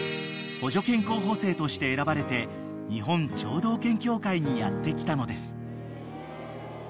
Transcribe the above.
補助犬候補生として選ばれて日本聴導犬協会にやって来たのです］